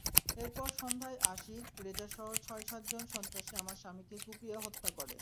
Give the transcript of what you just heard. এরপর সন্ধ্যায় আশিক, রেজাসহ ছয়-সাতজন সন্ত্রাসী আমার স্বামীকে কুপিয়ে হত্যা করে।